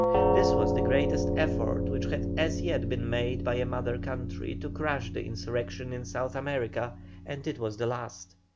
This was the greatest effort which had as yet been made by the mother country to crush the insurrection in South America, and it was the last.